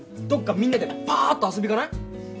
どっかみんなでぱーっと遊び行かない？